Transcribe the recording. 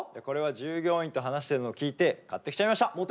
これは従業員と話してるのを聞いて買ってきちゃいました。